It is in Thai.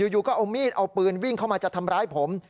อยู่ก็เอามีดเอาปืนวิ่งเข้ามาจะทำร้ายผม